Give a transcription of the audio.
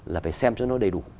là phải xem cho nó đầy đủ